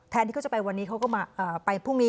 ที่เขาจะไปวันนี้เขาก็มาไปพรุ่งนี้